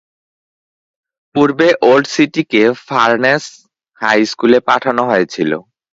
পূর্বে ওল্ড সিটিকে Furness high স্কুলে পাঠানো হয়েছিল।